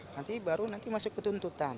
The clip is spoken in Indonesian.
nanti baru nanti masuk ke tuntutan